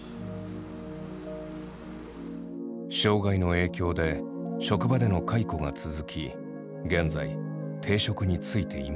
障害の影響で職場での解雇が続き現在定職に就いていません。